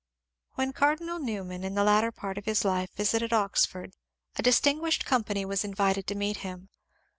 When Cardinal Newman in the latter part of his life vis ited Oxford, a distinguished company was invited to meet him.